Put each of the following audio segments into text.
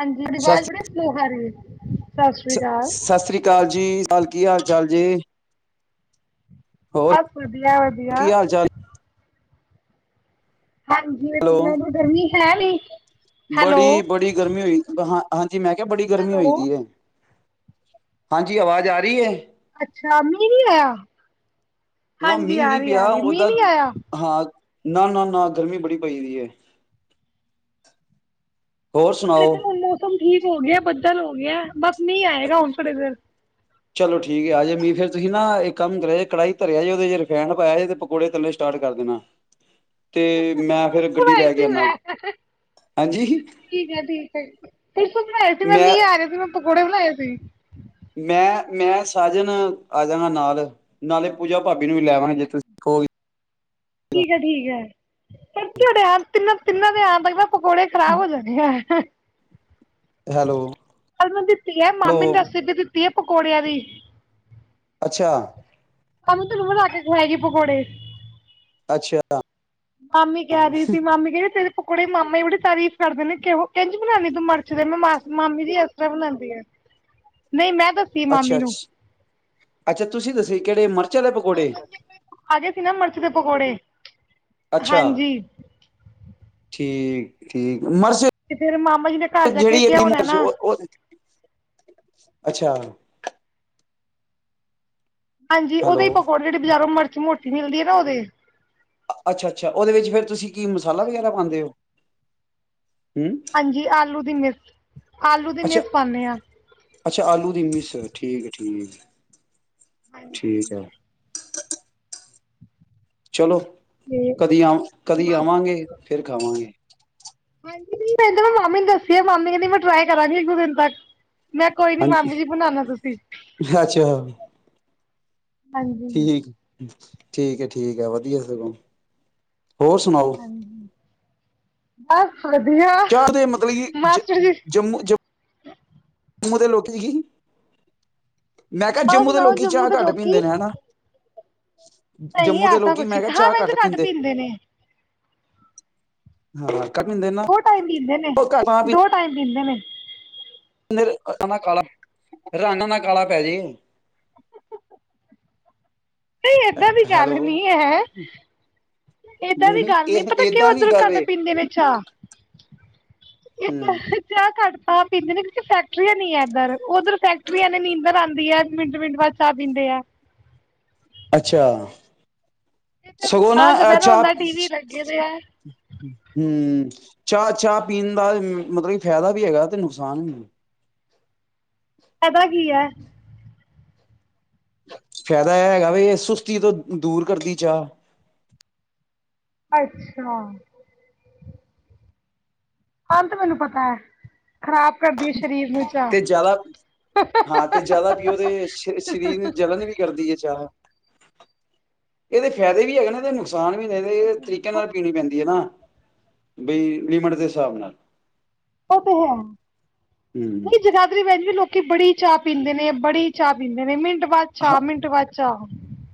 ਹਾਂਜੀ ਆਵਾਜ਼ ਬੜੀ ਸਲੋਹ ਆ ਰਹੀ ਹੈ। ਸਤਿ ਸ੍ਰੀ ਸ ਅਕਾਲ ਸਸ ਸ੍ਰੀ ਅਕਾਲ ਜੀ ਚਾਲ ਕੀ ਹਾਲ ਚਾਲ ਜੇ? ਜੇ ਬਸ ਵਧੀਆ-ਵਧੀਆ ਕੀ ਹਾਲ ਚਾਲ ਹਾਂਜੀ ਮ ਤੂੰ ਮੈਨੂੰ ਗਰਮੀ ਹੈ ਵੀ ਬੜੀ-ਬੜੀ ਗਰਮੀ ਹੋਈ ਹਾਂ ਹਾਂਜੀ ਮੈਂ ਕਿਹਾ ਬੜੀ ਗਰਮੀ ਹੈਲੋ ਹੋਈ ਦੀ ਏ। ਹਾਂਜੀ ਆਵਾਜ਼ ਆ ਰਹੀ ਹੈ। ਸ਼ਾਮੀ ਨੀ ਆਇਆ। ਨਾ ਹਾਂਜੀ ਮੀਂਹ ਆ ਰਹੀ ਆ ਰਹੀ ਮੀਂਹ ਨੀ ਆਇਆ। ਨਾ-ਨਾ, ਨਾ ਗਰਮੀ ਬੜੀ ਪਈ ਦੀ ਹੈ। ਹੋਰ ਤੇ ਸੁਣਾਓ ਇੱਥੇ ਹੁਣ ਮੌਸਮ ਠੀਕ ਹੋ ਗਿਆ ਬੱ ਲ ਹੋ ਗਿਆ। ਬਸ ਮੀ ਆਏਗਾ ਹੁਣ ਥੋੜੀ ਦੇਰ। ਚਲੋ ਠੀਕ ਆਜੇ ਮੀਹ ਫੇਰ ਤੁਸੀਂ ਨਾ ਇਕ ਕੰਮ ਕਰਿਆ ਜੇ ਕੜਾਈ ਧਰਿਆ ਜੇ ਉਹੇ ਰਿਫੈਨ ਪਾਈਆਂ ਜੇ ਤੇ ਪਕੌੜੇ ਤਲਨੇ ਸਟਾਰਟ ਕਰ ਦੇਣਾ। ਤੇ ਮੈਂ ਫਿਰ [unintelligible] ਗੱਡੀ ਲੈ ਕੇ ਠੀਕ ਆਨਾ ਹੈ, ਹਾਂਜੀ ਠੀਕ ਹੈ ਸੀ ਮੈਂ ਮੀਂਹ ਆ ਰਿਹਾ ਸੀ ਮੈਂ ਕੌੜੇ ਬਣਾਏ ਸੀ। ਮੈਂ, ਮੈਂ ਸਾਜਨ ਆ ਜਾਗਾ ਨਾਲ ਨਾਲੇ ਪੂਜਾ ਭਾਬੀ ਨੂੰ ਵੀ ਲੈਵਾਂਗੇ ਜੇ ਤੁਸੀਂ ਕੋਗੇ। ਠੀਕ ਆ, ਠੀਕ ਹੈ। [unintelligible] ਕਿੰਨਾਂ ਦੇ [unintelligible] ਕੋੜੇ ਖਰਾਬ ਹੋ ਜਾਣੇ ਹੈ। ਹੈਲੋ ਹ ਦਿੱਤੀ ਹੈ ਹੈਲੋ ਮਾਮੀ ਨੇ ਰੈਸਿਪੀ ਵੀ ਦਿੱਤੀ ਹੈ ਪਕੌੜਿਆਂ ਦੀ। ਅੱਛਾ। ਤੁਹਾਨੂੰ ਤੇ ਤੇ ਬਣਾ ਕੇ ਖਵਾਏਗੀ ਪਕੌੜੇ। ਅੱਛਾ। ਮਾਮੀ ਕਹਿ ਰਹੀ ਸੀ ਮਾਮੀ ਕਹ ਤੇਰੇ ਕੁੜੀ ਮਾਮੇ ਬੜੀ ਤਾਰੀਫ਼ ਕਰਦੇ ਨੇ ਕਿਹੋ ਕਹਝ ਬਣਾਉਦੀ ਤੂੰ ਮਿਰਚ ਦੇ ਮੈਂ ਮਾ ਮਾਮੀ ਜੀ ਇਸ ਤਰ੍ਹਾਂ ਬਣਾਉਂਦੀ ਆ ਨਹੀਂ ਮੈਂ ਦੱਸੀ ਅੱਛਾ ਮਾਮੀ ਨੂੰ ਅੱ ਅੱਛਾ ਤੁਸੀਂ ਦੱਸੇ ਕਿਹੜੇ ਮ ਅੱਜ ਅਸੀਂ ਨਾ ਮਾਰਚ ਦੇ ਪਕੋੜੇ ਅੱਛਾ ਹਾਂਜੀ। ਠੀਕ, ਠੀਕ ਫਿਰ ਮਾਮਾ ਜੀ ਨੇ ਘਰ [unintelligible] ਜਾ ਕੇ ਜਿਹੜੀ ਕਿਹਾ ਹੋਣਾ ਨਾ ਅੱਛਾ। ਹਾਂਜੀ ਉਹਦੇੋਂ ਹੀ ਹੈਲੋ ਪਕੌੜੇ ਜਿਹੜੇ ਬਾਜ਼ਾਰੋਂ ਮ ਮੋਟੀ ਮਿਲਦੀ ਹੈ ਨਾ ਉਹਦੇ। ਅੱਛਾ-ਅੱਛਾ ਉਹਦੇ ਵਿੱਚ ਫੇਰ ਤੁਸੀਂ ਕੀ ਮਸਾਲਾ ਵਗੈਰਾ ਪਾਂਦੇ ਹੋ? ਹਮ ਹਾਂਜੀ ਆਲੂ ਦੀ ਮਿਸ ਆਲੂ ਦੀ ਅੱਛਾ ਮਿਸ ਪਾਦੇ ਹਾਂ ਅੱਛਾ ਆਲੂ ਦੀ ਮਿਸ ਠੀਕ ਹੈ ਠੀਕ ਹਾਂਜੀ ਠੀਕ ਹੈ ਚਲੋ ਤੇ ਕਦੀ ਆ ਕਦੀ ਆਵਾਂਗੇ ਫਿਰ ਖਾਵਾਂਗੇ ਹਾਂਜੀ ਨਹੀਂ ਕਹਿੰ ਮ ਮਾਮੀ ਦੱਸੀ ਆ ਮਾਮੀ ਕਹਿੰਦੀ ਮੈਂ ਟਰਾਈ ਕਰਾਂਗੀ ਇੱਕ ਦੋ ਦਿਨ ਤੱਕ ਮੈਂ ਕੋਈ ਨੀ ਹਾਂਜੀ ਮੈਮ ਜੀ ਬਣਾਣਾ ਤੁਸੀਂ ਅੱਛਾ ਹਾਂਜੀ ਠੀਕ ਠੀਕ ਹੈ ਠੀਕ ਹੈ ਵਧੀਆ ਸਗੋਂ ਹੋਰ ਸੁਣਾਓ ਬੱਸ ਕਦੇ ਮਤਲਬ ਕਿ ਜ ਜੀ ਜੰਮੂ ਜਮੂ ਜੰਮੂ ਦੇ ਲੋਕੀ ਕੀ ਮੈਂ ਕਿਹਾ ਹੋਰ ਜੰਮੂ ਦੇ ਸੁਣਾਓ ਲੋਕੀ ਚਾਹ ਦੇ ਘੱਟ ਲੋਕੀ ਪੀਂਦੇ ਨੇ ਹਨਾ ਨਹੀਂ ਜੰਮੂ ਦੇ ਐਸਾ ਲੋਕੀ ਕੁਛ ਮੈਂ ਕਿਹਾ ਹਾਂ ਚਾਹ ਮੈਿੰ ਘੱਟ ਪੀਂਦੇ ਨੇ ਹਾਂ ਕੱਟਦੇ ਨਾ ਬਿੰਦ ਨੇ ਕਾਲਾ ਰਾਨ ਦਾ ਕਾਲਾ ਪੈ ਜੇ ਨਹੀਂ ਏਦਾਂ ਦੀ ਗੱਲ ਹੈਲੋ ਨੀ ਹੈ ਏਦਾਂ ਦੀ ਗੱਲ ਨੀ ਇਹ ਪਤਾ ਕਿਉਂ ਏਦਾਂ ਦੀ ਉੱਧਰੋਂ ਗੱਲ ਕੱਟ ਏ ਪੀਂਦੇ ਨੇ ਚਾਹ ਦਾਂ ਹੂੰ ਚਾਹ ਘੱਟ ਆਹਿੰਦੇ ਕੁ ਫੈਕਟਰੀ ਨ ਆਏਦਾ ਉਧਰ ਫੈਕਟਰੀਆਂ ਨੇ ਨੀਦਰ ਆਉਂਦੀ ਹੈ ਮਿੰਟ ਮਿੰਟ ਬਾਅਦ ਚਾਹ ਪੀਂਦੇ ਆ ਅੱਛਾ ਇੱਧਰ ਸਗੋਂ ਨਾ ਦੁਕਾਨ ਤੇ ਅਹ ਬਹਿਣਾ ਚਾ ਹੁੰਦਾ ਟੀਵੀ ਲੱਗੇ ਦੇ ਐ ਹਮ ਚਾਹ ਚਾਹ ਪੀਣ ਦਾ ਮਤਲਬ ਕਿ ਫ਼ਾਇਦਾ ਵੀ ਹੈਗਾ ਤੇ ਨੁਕਸਾਨ ਵੀ ਪਤਾ ਕੀ ਹੈ ਫਾਇਦਾ ਇਹ ਹੈਗਾ ਵੀ ਇਹ ਸੁਸਤੀ ਤੋਂ ਦੂਰ ਕਰਦੀ ਚਾਹ ਅੱਛਾ ਅੰਤ ਮੈਨੂੰ ਪਤਾ ਹੈ ਖ਼ਰਾਬ ਕਰਦੀ ਸਰੀਰ ਨੂੰ ਚਾਹ। ਤੇ ਜ਼ਿਆਦਾ ਹਾਂ ਤੇ ਜ਼ਿਆਦਾ ਪਓਦੇ ਸਰੀਰ ਜਲਣ ਵੀ ਕਰਦੀ ਹੈ ਚਾਰ ਇਹਦੇ ਫਾਇਦੇ ਵੀ ਹੈਗੇ ਨਾ ਇਹਦੇੁਕ ਕਿਸਾਨ ਮਹੀਨੇ ਦੇ ਤਰੀਕੇ ਨਾਲ ਉਹ ਪੀਣੀ ਪੈਂਦੀ ਹੈ ਨਾ ਬਈ ਲੀਮਡ ਦੇਿਸਾਬ ਨਾਲ ਉਹ ਤੇ ਹੈ ਹੂੰ ਨਹੀਂ ਜਗਾਦਰੀ ਵਿੱਚੈ ਵੀ ਲੋਕ ਕਿ ਬੜੀ ਚਾਹ ਪੀਂਦੇ ਨੇ ਬੜੀ ਚਾਹ ਪੀਂਦੇ ਨੇ ਮਿੰ ਮਿੰਟ ਬਾਅਦ ਹਾਂ ਚਾਹ ਮਿੰਟ ਬਾਅਦ ਚਾਹ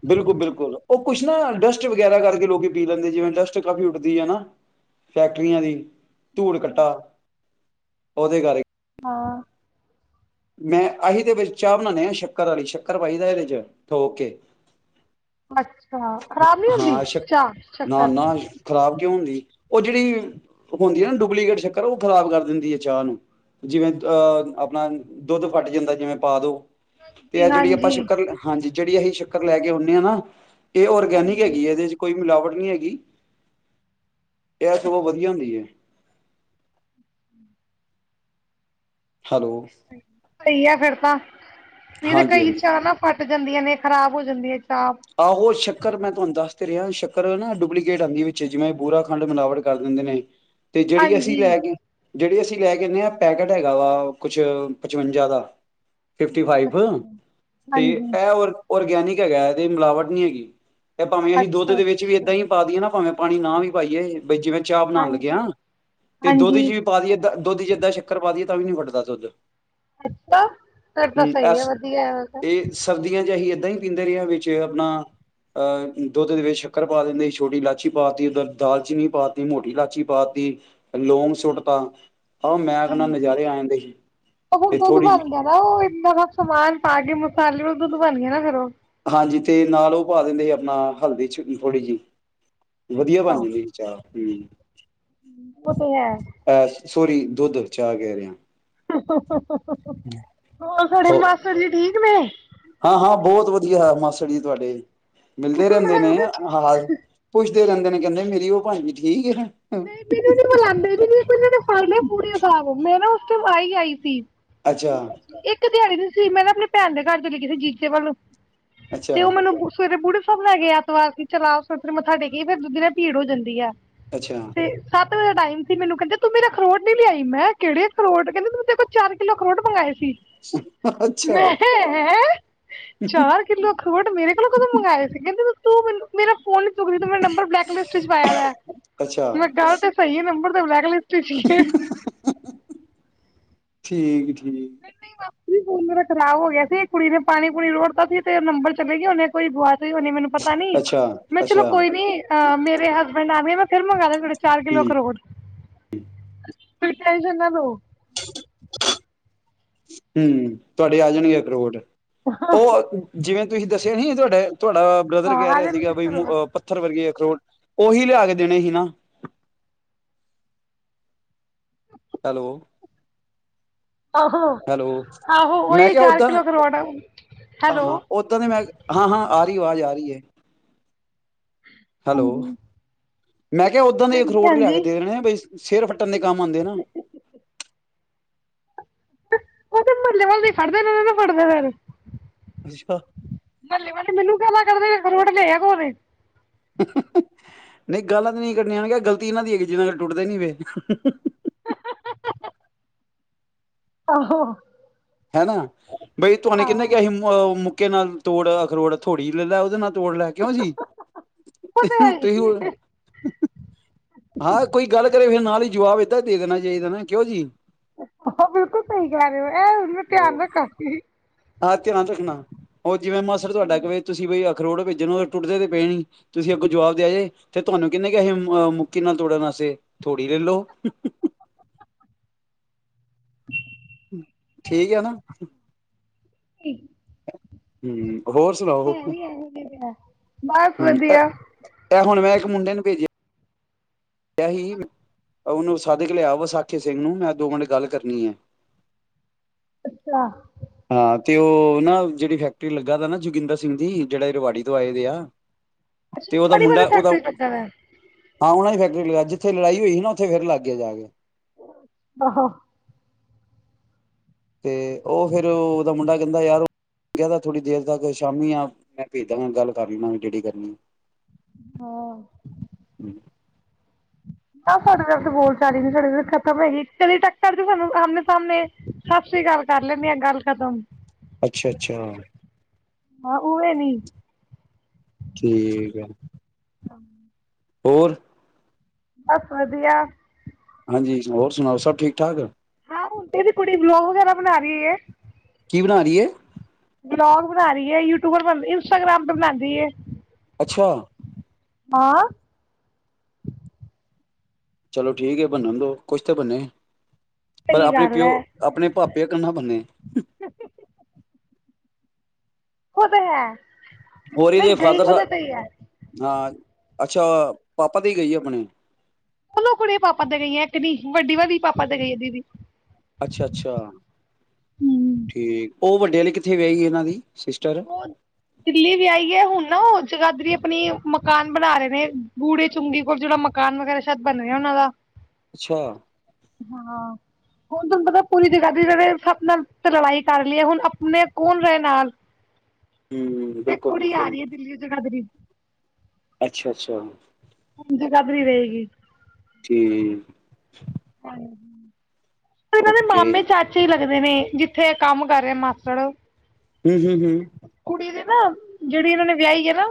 ਬਿਲਕੁਲ-ਬਿਲਕੁਲ ਉਹ ਕੁਛ ਨਾ ਡਸਟ ਵਗੈਰਾ ਕਰਕੇ ਲੋਕ ਪੀ ਲੈਂਦੇ ਜਿਵੇਂ ਡਸਟ ਕਾਫੀ ਉੱਡਦੀ ਹੈ ਨਾ ਫੈਕਟਰੀਆਂ ਦੀ ਧੂੜ ਕੱਟਾ ਉਹਦੇ ਕਰਕੇ ਹਾਂ ਮੈਂ ਅਸੀ ਤੇ ਵਿੱਚ ਚਾਹ ਬਣਾਉਂਦੇ ਆਾਂ ਸ਼ੱਕਰ ਵਾਲੀ ਸ਼ੱਕਰ ਪਾਈਦਾ ਇਹਦੇ ਚ ਠੋਕ ਕੇ ਅੱਛਾ ਖਰਾਬ ਨੀ ਹੁੰਦੀ ਹਾਂ ਸ਼ੱਕ ਚਾਹ ਚੱਕਰ ਨਾ-ਨਾ ਖ਼ਰਾਬ ਹੁੰਦੀ ਉਹ ਜਿਹੜੀ ਹੁੰਦੀ ਹੈ ਨਾ ਡੁਪਲੀਕੇਟ ਸ਼ੱਕਰ ਉਹ ਖਰਾਬ ਕਰ ਦਿੰਦੀ ਹੈ ਚਾਹ ਨੂੰ ਜਿਵੇਂ ਅਹ ਆਪਣਾ ਦੁੱਧ ਫੱਟ ਜਾਂਦਾ ਜਿਵੇਂ ਪਾ ਦੋ ਤੇ ਆ ਹਾਂਜੀ ਜਿਹੜੀ ਆਪਾਂ ਹਾਂਜੀ ਸ਼ੱਕਰ ਹਾਂਜੀ ਜਿਹੜੀ ਅਸੀਂ ਸ਼ਰ ਲੈ ਕੇ ਆਉੇ ਆਾਂ ਨਾ ਇਹ ਔਰਗੈਨਿਕ ਹਾਂਜੀ ਹੈਗੀ ਹੈ ਇਹਦੇ ਚ ਕੋਈ ਮਿਲਾਵਟ ਹੈਗੀ ਇਹ ਸ ਉਹ ਵਧੀਆ ਹੁੰਦੀ ਹੈ ਹੈਲੋ ਸਹੀ ਆ ਫਿਰ ਤਾਂ ਇਹਦੇ ਕਈ ਹਾਂਜੀ-ਹਾਂਜੀ ਚ ਨਾ ਪ ਜਾਂਦੀਆਂ ਨੇ ਖਰਾਬ ਹੋ ਜਾਂਦੀਆਂ ਆਹੋ ਸ਼ਕ ਚੱਕਰ ਮੈਂ ਤੁਹਾਨੂੰ ਦੱਸਦੇ ਰਿਹਾ ਚੱਕਰ ਨਾ ਡੁਪਲੀਕੇਟ ਆਉਂਦੀ ਵਿੱਚ ਜਿਵੇਂ ਬੁਰਾ ਖੰਡ ਮਿਲਾਵਟ ਕਰ ਦਿੰਦੇ ਨੇ ਤੇ ਜਿਹੜੀ ਅਸੀਂ ਹਾਂਜੀ। ਲੈ ਗਏ ਜਿਹੜੀ ਅਸੀਂ ਲੈ ਕੇ ਆਦੇ ਹਾਂ ਪੈਕਟ ਹੈਗਾ ਵਾ ਕੁਛ ਪਚਵੰਜਾ ਦਾ ਫਿਫਟੀ ਫਾਈਵ ਅੱਛਾ। ਤੇ ਹਾਂਜੀ। ਇਹ ਹੋਰ ਔਰਗੈਨਿਕ ਹੈਗਾੈ ਇਹ ਮਿਲਾਵਟ ਨਹੀਂ ਹੈਗੀ ਭਾਵੇ ਅਸੀਂ ਦੁੱਧ ਅੱਛਾ ਦੇ ਵਿੱਚ ਵੀ ਅੱਛਾ ਏਦਾਂ ਹੀ ਪਾ ਦੀਏ ਨਾ ਭਾਵੇ ਪਾਣੀ ਨਾ ਵੀ ਪਾਈਏ ਬਈ ਜਿਵੇਂ ਚਾਹ ਬਣਾਉਣ ਲੱਗਿਆ ਹਾਂਜੀ ਤੇ ਦੁੱਧ ਚ ਹਾਂਜੀ ਵੀ ਪਾਦੀ ਏ ਦੁੱਧ ਚ ਏਦਾਂ ਸ਼ੱਕਰ ਪਾ ਦੀਏ ਤਾ ਵੀ ਨਹੀਂ ਫੱਟਦਾ ਦੁੱਧ ਅੱਛਾ ਫਿਰ ਤਾਂ ਹੂੰ ਸਹੀ ਆ ਐਸ ਵਧੀਆ ਵ ਨਹੀਂ ਪੀਂਦੇ ਆਪਣਾ ਅਹ ਦੁੱਧ ਦੇ ਵਿੱਚ ਸ਼ੱਕਰ ਪਾ ਦਿੰਦੇ ਛੋਟੀ ਇਲਾਚੀ ਪਾ ਤਤੀ ਉ ਦਾਲਚੀਨੀ ਪਾ ਤ ਮੋਟੀ ਇਲਾਚੀ ਪਾ ਤ ਲੌਗ ਸੁੱਟ ਤ ਹਾਂ ਉਹ ਫੁਣ ਤੇ ਦੁਧ ਥੋੜ੍ਹੀ ਬਣ ਜਿਹੀ ਗਿਆ ਨਾ ਉਹ ਇਏਦਾਂ ਦਾ ਸਮਾਨ ਪਾ ਕੇ ਮਸਾਲੇ ਦੁੱਧ ਬਣ ਗਿਆ ਨਾ ਫੇਰ ਉਹ ਹਾਂਜੀ ਤੇ ਨਾਲ ਉਹ ਪਾ ਦਿੰਦੇ ਸੀ ਆਪਣਾ ਹਲਦੀ ਚ ਥੋੜ੍ਹੀ ਜਿਹੀ ਵਧੀਆ ਬਣ ਅੱਛਾ ਜਾ ਚਾਰ ਹਮ ਉਹ ਤੇ ਹੈ ਸੋਰੀ ਦੁੱਧ ਚਾਹ ਕਹਿ ਰਿਹਾ ਹੋਰ ਸਾਡੇ ਮਾਸ ਜੀ ਠੀਕ ਨੇ ਹਾਂ ਹਾਂ ਬਹੁਤ ਵਧੀਆ ਮਾਸਟਰ ਜੀ ਤੁਹਾਡੇ ਮਿਲਦੇ ਰਹਿੰਦੇ ਨੇ ਆ ਪੁੱਛ ਰਹਦੇ ਨੇ ਕਹਿੰਦੇ ਮੇਰੀ ਉਹ ਭਾਜੀ ਠੀਕ ਹੈ ਨਹੀਂ ਮੈਨੂੰ ਨੀ ਬੁਲਾਉਂਦੇ ਫੇ ਪੂਰੇ ਹਿਸ ਮੈਂ ਨਾ ਤੇ ਆਾਈ ਆਈ ਸੀ ਅੱਛਾ ਇੱਕ ਦਿਹਾੜੀ ਦੀ ਮੈਂ ਆਪਣੇ ਭੈਣ ਦੇ ਘਰ ਚ ਲ ਕਿਸ ਸੀ ਜੀਚੇ ਵੱਲ ਨੂੰ ਅੱਛਾ ਤੇ ਉਹ ਮੈਨੂੰ ਸਵੇਰੇ ਬੂੜੇ ਸਭ ਲੈ ਗ ਐਤਵਾਰ ਚਲਾਿਰ ਮੱਥਾ ਟੇਕ ਕੇ ਫਿਰ ਦੂਧ ਨਾਲ ਭੀੜ ਹੋ ਜਾਂਦੀ ਹੈ ਅੱਛਾ ਤੇ ਸੱ ਵਜੇ ਟਾਈਮ ਸੀ ਮੈਨੂੰ ਕਹਿੰਦੇ ਤੂੰ ਮੇਰਾ ਅਖਰੋਟ ਨਹੀਂ ਲਿਆਈ ਮੈਂ ਕਿਹੜ ਅਖਰੋਟ ਕਹਿੰਦੇ ਤੂੰ ਤੇਰੇਲ ਚਾਰ ਕਿੱਲੋ ਅਖਰੋਟ ਮੰਗਵਾਏ ਸੀ ਅੱਛਾ ਹੈ ਚਾਰ ਕਿੱਲੋ ਅਖਰੋਟ ਮੇਰੇ ਕੋਲੋਂ ਕਦੋਂ ਮੰਗਵਾਏ ਸੀ ਕਦੇ ਤੂੰ ਮੈਨੂੰ ਮੇਰਾ ਫੋਨ ਮ ਨੰਬਰ ਬਲੈਕਲਟ ਚ ਪਾਇਆ ਅੱਛਾ ਮੈਂ ਗੱਲ ਤੇ ਸਹੀ ਨੰਬਰ ਤੇ ਬਲੈਕਲਿਸਟ ਸੀ ਠੀਕ ਠੀਕ ਨਹੀਂ ਨਹੀਂ ਵਾਪ ਫੋਨ ਮੇਰਾ ਖਰਾਬ ਹੋ ਗਿਆ ਸੀ ਕੁੜੀ ਨੇ ਪਾਣੀ ਪੁੂਣੀ ਰੋੜਤਾ ਸੀ ਤੇ ਨੰਬਰ ਚਲੇ ਗ ਗਿਆ ਉਹਨੇ ਕੋਈ ਹੋ ਮੈਨੂੰ ਪਤਾ ਨੀ ਅੱਛਾ ਮੈਂ ਚਲੋ ਅੱਛਾ ਕੋਈ ਨੀ ਮੇਰੇ ਹਸਬੈਂਡ ਆ ਗ ਮੈਂ ਫਿਰ ਮੰਗਵਾ ਦ ਤੁੇ ਚਾਰ ਕਿੱਲੋ ਕਰੋੜ ਹਮ ਕੁੜ ਚਜ ਨਾ ਬੋ ਹਮ ਤੁਹਾਡੇ ਆ ਜਾਣਗੇ ਕਰੋਟ ਉਹ ਜਿਵੇਂ ਤੁਸੀਂ ਦੱਸਿਆ ਨ ਤੁਹਾਡੇ ਤੁਹਾਡਾ ਬ੍ਰਦਰ ਹਾਂ ਕਹਿ ਆ ਰਿਹਾ ਸੀਗਾ ਜਾਣਗੇ ਬਈਹ ਅਖਰੋਟ ਪੱਥਰ ਵਰਗੇ ਅਖਰੋਟ ਉਹੀ ਲਿਆ ਕੇ ਦੇਣੇ ਸੀ ਨਾ ਹੈਲੋ ਆਹੋ ਹੈਲੋ, ਆਹੋ ਮੈਂ ਉਹੀ ਕਿਆ ਚਾਰ ਓਦਾਂ ਕਿਲੋ ਕਰੋੜ ਹੈਲੋ ਹਾਂ ਓਦਾਂ ਦੇ ਮੈਂ ਹਾਂ ਹਾਂ ਆ ਰਈ ਆਵਾਜ਼ ਆ ਰਈ। ਰੀ ਐ। ਹੈਲੋ ਮੈਂ ਕਿਆ ਉੱਦਾਂ ਦੇ ਹਾਂਜੀ ਅਖਰੋਟ ਲਿਆ ਹਾਂਜੀ ਕੇ ਦੇਣੇ ਅ ਬਈ। ਸਿਰ ਫੱਟਣ ਦੇ ਕੰਮ ਆਂਦੇ ਨਾ। ਉਹ ਤੇ [unintelligible] ਫੜਦੇ ਨੇ ਫੜਦੇਨ ਅੱਛਾ। ਮਹੱਲੇ ਵਾਲੇ ਮੈਨੂੰ ਗਾਲਾਂ ਕਢਦੇ ਅਖਰੋਟ ਲਿਆਆ ਕੋਣ ਏ? [unintelligible] ਨਈਂ ਗਾਲਾਂ ਤੇ ਨਈਂ ਕੱਢਣੀਆਂ ਔਨਾਂ ਕੈ ਗਲਤੀ ਇਹਨਾਂ ਦੀ ਹੈ ਕਿ ਜਿਹਨਾਂ ਟੁੱਟਦੇ ਨੀ ਪੇ [unintelligible] ਆਹੋ। ਹੈਨਾਂ ਬਈ ਤੁਹਾਨੇ ਆਹੋ ਕਿਆ ਹੀ ਮ ਮੁ ਕੇ ਨਾਲ ਤੋੜ ਅਖਰੋੜ, ਥੋੜੀ ਲੈਲੈ ਉਹਦੇ ਨਾਲ ਤੋੜ ਲੈ ਕਿਉਂ ਜੀ? ਉਹ ਤੇ ਹੈ ਤੁਸੀਂ ਹੀ ਹੋ, ਏ ਹਾਂ ਕੋਈ ਗੱਲ ਕਰੇ ਫਿਰ ਨਾਲ ਜਵਾਬ ਏਦਾਂ ਦੇਣਾ ਚਾਹੀਦਾ ਨਾ ਕਿਉਂ ਜੀ? ਉਹ ਬਿਲਕੁਲ ਸਹੀ ਕਹਿ ਰਹੇ। ਇਹਏ ਹੁਣ ਮੈਂ ਧਿਆਨ ਰੱਖਾਂਗੀ। ਹਾਂ, ਧਿਆਨ ਰੱਖਣਾ। ਉ ਜਿਵੇਂ ਮਾਸਰ ਤੁਆਡਾ ਕਵੇ ਤੁਸੀਂ ਬਈ ਅ ਅਖਰੋੜ ਭੇਜਣ ਟੁੱਟਦੇ ਤੇ ਪਏ ਨੀਂ, ਤੁਸੀਂ ਅੱਗੋਂ ਜਵਾਬ ਦਿਆ ਜੇ ਤੇ ਤੁਹਾਨੂੰ ਕੀਹਨੇ ਕਿਆ ਹੀ ਮ ਮ ਮੁੱਕੀ ਨਾਲ ਤੋੜਨ ਵਾਸਤੇ ਥੋੜ੍ਹੀ ਲੱਲੋ। ਠੀਕ ਆ ਨਾਂ। ਸਈ। ਹਂ ਹੋਰ ਸੁਣਾਓ? ਇਹੋ ਜਿਹੇ ਆ ਬਸ ਹਂ, ਵਧੀਆ ਏ ਇਹ ਹੁਣ ਮੈਂ ਇੱਕ ਮੁੰਡੇ ਨੂੰ ਭੇਜਿਆ ਏਹੀ! ਉਹਨੂੰ ਸੱਦਕੇ ਲਿਆ ਵਸਾਖੀ ਸਿੰਘ ਨੂੰ ਮੈਂ ਦੋ ਮਿੰਟ ਗੱਲ ਕਰਨੀ ਐ। ਅੱਛਾ। ਹਾਂ, ਤੇ ਉਹ ਨਾ ਜਿਹੜੀ ਫੈਕਟਰੀ ਲੱਗਾ ਦਾ ਨਾ ਜੋਗਿੰਦਰ ਸਿੰਘ ਦੀ ਜਿਹੜਾ ਰਵਾੜੀ ਤੋਂ ਆਏ ਦੇ ਆ। ਅੱਛਾ ਤੇ ਉਹਦਾ ਬੜੀ ਮੁੰਡਾ ਵਧੀਆ ਉਹਦਾ ਫੈਕਟਰੀ ਲੱਗਾ ਦਾ ਹਾਂ, ਉਹਨਾ ਫੈਕ ਜਿੱਥੇ ਲੜਾਈ ਹੋਈ ਨਾ ਉੱਥੇ ਫੇਰ ਲੱਗ ਗਿਆ ਜਾਕੇ। [unintelligible] ਆਹਾ। ਤੇ ਉਹ ਫਿਰ ਉਹਦਾ ਮੁੰਡਾ ਕਹਿੰਦਾ ਯਾਰ ਕਹਦਾ ਥੋੜ੍ਹੀ ਦੇਰ ਤੱਕ ਸ਼ਾਮੀ ਆ ਮੈਂ ਭੇਜਦਾ ਗੱਲ ਕਰ ਲਵੀ ਜੇਡੀ ਕਰਨੀ। ਹਂ। ਨਾਂ ਸਾਡੇ ਤੇ ਬੋਲ ਚਾਲੀ ਨੀਂ ਸਾਡੇ ਖਤਮ ਹੈਗੀ ਚਲੀ ਟੱਕਰ ਚ ਸਾਨੂੰ ਆਮਣੇ ਸਾਹਮਣੇ ਅ ਅਸੀਂ ਗੱਲ ਕਰ ਲੈਂਣੇਆਂ ਗੱਲ ਖਤਮ ਅੱਛਾ ਅੱਛਾ ਹਾਂ ਉਵੇਂ ਨੀਂ ਠੀਕ ਆ। [unintelligible] ਹੋਰ ਬਸ ਵਧੀਆ। ਹਾਂਜੀ ਹੋਰ ਸੁਣਾਓ, ਸਭ ਠੀਕ-ਠਾਕ। ਹ ਹੁਣ ਤੇ ਦੀ ਕੁੜੀ ਬਲੋਗ ਵਗੈਰਾ ਬਣਾ ਰਹੀ ਏ। ਕੀ ਬਣਾ ਰੀ ਏ। ਵਲੋਗ ਬਣਾ ਰਹੀ ਹੈ ਯੂਟਿਊਬਰ ਬ ਇੰਸਟਾਗ੍ਰਾਮ ਤੇ ਬਣਾਂਦੀ ਏ। ਅੱਛਾ, ਹਾਂ। ਚਲੋ ਠੀਕ ਹੈ ਬੰਨਣ ਦੋ ਕੁਛ ਤਾਂ ਬਣੇ। ਪਰ ਸਹੀ ਆਪਣੇ ਗੱਲ ਪਿਓ ਐ ਆਪਣੇ ਪਾਪੇ ਵਗਾ ਨਾ ਬਣੇ। ਉਹ ਤੇ ਹੈ। ਹੋਰੀ ਨਹੀਂ ਦੇ ਗਈ ਫਾਦਰ ਉਹਦੇ ਤੇ ਹੀ ਹੈ ਸਾਹਿਬ ਹਾਂ। ਅੱਛਾ ਪਾਪਾ ਤੇ ਗਈ ਐ ਆਪਣੇ ਦੋਨੋ ਕੁੜੀਆਂ ਪਾਪਾ ਤੇ ਗਈਆਂ ਇੱਕ ਨੀ ਵੱਡੀ ਵਾ ਵੀ ਪਾਪਾ ਤੇ ਗਈ ਹੈ ਦੀਦੀ। ਅੱਛਾ- ਅੱਛਾ ਠੀਕ ਉਹ ਵੱਡੇ ਵਾਲੇ ਕਿੱਥੇ ਵਿਆਹੇ ਗੀ ਇਹਨਾਂ ਦੀ ਸਿਸਟਰ ਉਹ ਦਿੱਲੀ ਵਿਆਈ ਐ ਹੁਣ ਨਾ ਉਹ ਚਗਾਦਰੀ ਆਪਣੀ ਮਕਾਨ ਬਣਾ ਰਹੇ ਨੇ ਬੂੜੇ ਚੁੰਗੀ ਕੋਲ ਜਿਹੜਾ ਮਕਾਨ ਵਗੈਰਾ ਸ਼ਾਇਦ ਬਣ ਰਿਹਾ ਉਹਨਾਂ ਦਾ ਅੱਛਾ ਹਾਂ, ਹੁਣ ਤੁਹਾਨੂੰ ਪਤਾ ਪੂਰੀ ਜਗਾਦਰੀ ਵਿਚ ਸਭ ਨਾਲ ਲੜਾਈ ਕਰ ਲਈਏ ਹੁਣ ਆਪਣੇ ਕੌਣ ਰਹੇ ਨਾਲ ਹਮ ਤੇ ਬਿਲਕੁਲ ਕੁੜੀ ਆ ਬਿਲਕੁਲ ਰਹੀ ਹੈ ਦਿੱਲੀ ਚ ਜਗਾਦਰੀ ਅੱਛਾ- ਅੱਛਾ। ਹੁਣ ਜਗਾਦਰੀ ਰਹੇਗੀ। ਠੀ ਹਾਂ [inaudible] ਕਦੇ ਓਕੇ ਮਾਮੇ ਚਾਚੇ ਹੀ ਲੱਗਦੇ ਨੇ ਜਿੱਥੇ ਕੰਮ ਕਰ ਰਿਹਾ ਮਾਸੜ ਹੂੰ- ਹੂੰ- ਹੂੰ ਕੁੜੀ ਦੇ ਨਾ ਜਿਹੜੀ ਇਹਨਾਂ ਨੇ ਵਿਆਹੀ ਹੈ ਨਾ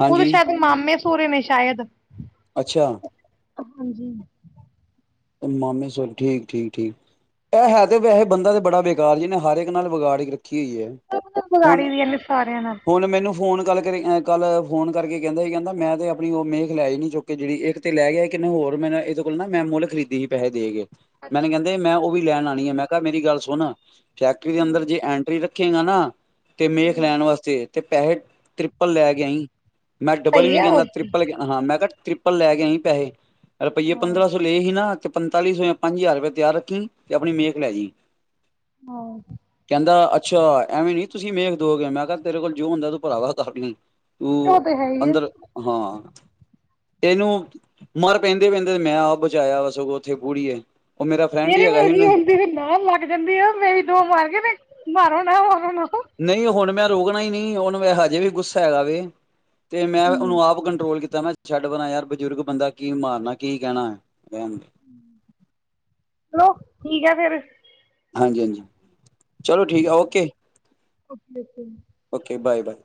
ਹਾਂਜੀ ਓਦੇ ਸ਼ਾਇਦ ਮਾਮੇ ਹੁਰੇ ਨੇ ਸ਼ਾਇਦ ਅੱਛਾ, ਹਾਂਜੀ, ਮਾਮੇ ਸ ਠੀਕ-ਠੀਕ-ਠੀਕ ਇਹ ਹੈ ਤੇ ਵੈਸੇ ਬੰਦਾ ਤੇ ਬੜਾ ਬੇਕਾਰ ਜੀਨੇ ਹਰ ਇੱਕ ਨਾਲ ਵਿਗਾੜ ਰੱਖੀ ਹੋਈ ਹੈ ਵਗਾੜੀ ਵੀ ਇਹਨੇ ਸਾਰਿਆਂ ਨਾਲ ਗੱਲ ਕਰੀ ਅ ਕੱਲ ਫੋਨ ਕਰਕੇ ਕਹਿੰਦਾ ਸੀ ਕਹਿੰਦਾ ਮੈਂ ਤੇ ਆਪਣੀ ਉਹ ਮੇਖ ਲੈਈ ਨਹੀ ਚੁੱਕ ਕੇ ਜਿਹੜੀ ਇੱਕ ਤੇ ਲੈ ਗਿਆ ਕਿੰਨੇ ਹੋਰ ਮੈਂ ਇਹਦੇ ਕੋਲ ਨਾ ਮੈਂ ਮੁੱਲ ਖਰੀਦ ਦੀ ਪੈਸੇ ਦੇ ਗਏ। ਮੈਨੇ ਅੱਛਾ ਕਹਿੰਦੇ ਮੈਂ ਉਹ ਵੀ ਲੈਣ ਆ ਨੀ ਮੈਂ ਕਿਹਾ ਮੇਰੀ ਗੱਲ ਸੁਣ। ਫੈਕਟਰੀ ਦੇ ਅੰਦਰ ਜੇ ਐਂਟਰੀ ਰ ਰਖੇਗਾ ਨਾ ਤੇ ਮੇ ਖ ਲੈਣ ਵਾਸਤੇ ਤੇ ਪੈਸੇ ਤ੍ਰਿਪਲ ਲੈ ਗਿਆਈ ਮੈਂ ਡਬਲ ਸਹੀ ਵੀ ਹੈ ਕਹਿੰਦਾ ਹੋਰ ਕੀ ਟ੍ਰਿਪਲ ਹਾਂ ਮੈਂ ਘੱ ਤ੍ਰਿਪਲ ਲੈ ਗਏ ਸੀਂ ਪੈਸੇ ਰੁਪਈਏ ਹਾਂ ਪੰਦਰਾਂ ਸੌ ਲਏ ਸੀ ਨਾ ਤੇ ਪੰਤਾਲੀ ਸੌ ਜਾਂ ਪੰਜ ਹਜ਼ਾਰ ਰੁਪਏ ਤਿਆਰ ਰੱਖੀ ਤੇ ਆਪਣੀ ਮੇਕ ਲੈ ਜਈ ਹਾਂ ਕਹਿੰਦਾ ਅੱ ਅੱਛਾ ਐਵੇਂ ਨੀ ਤੁਸੀਂ ਮੇਖ ਦੋਗੇ ਮੈਂ ਕਿਹਾ ਤੇਰੇ ਕੋਲ ਜੋ ਹੁੰਦਾ ਤੂੰ ਭਰਾਵਾ ਨੂੰ ਉਹ ਤੂੰ ਤੇ ਹੈ ਹੀ ਹੈ ਅੰਦਰ ਹਾਂ ਇਹਨੂੰ ਮਰ ਪੈਂਦੇ ਪੈਂਦੇ ਮੈਂ ਬਚਾਇਆ ਵਾ ਸਗੋਂ ਉੱਥੇ ਪੂੜੀ ਹੈ ਤੇਰੀ ਮਰਗੀ ਹੁੰਦੀ ਨਾ ਮਗ ਜਾਂਦੀ ਆ ਮੇਰੀ ਦੋ ਮਾਰ ਗ ਤੇ ਮਾਰੋ ਨਾ ਮਾਰੋ ਨਾ ਚਲੋ ਨਹੀਂ ਹੁਣ ਮੈਂ ਰੋਕਣਾਈ ਨਹੀਂ ਉਹਨੂੰ ਮੈਂ ਹਜੇ ਵੀ ਗੁੱਸਾ ਹੈਗਾ ਵ ਤੇ ਮੈਂ ਉਹਨੂੰ ਆਪ ਕੰਟਰੋਲ ਕੀਤਾ ਤਾਂ ਮੈਂ ਛੱਡ ਬਣਾ ਯਾਰ ਬਜ਼ੁਰਗ ਬੰਦਾ ਕੀ ਮਾਰਨਾ ਕੀ ਕਹਿਣਾ ਹੈ ਰਨ ਠੀਕ ਆ ਫੇਰ ਹਾਂਜੀ ਹਾਂਜੀ ਚਲੋ ਠੀਕ ਆ ਓਕੇ ਅ ਓਕੇ ਬਾਏ ਬਾਏ